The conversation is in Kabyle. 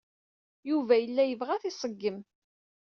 Yuba yella yebɣa ad t-iṣeggem.